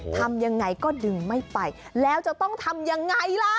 ทำยังไงก็ดึงไม่ไปแล้วจะต้องทำยังไงล่ะ